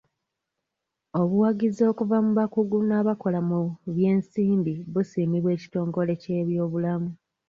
Obuwagizi okuva mu bakugu n'abakola mu by'ensimbi busiimibwa ekitongole ky'ebyobulamu.